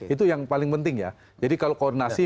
itu yang paling penting ya jadi kalau koordinasi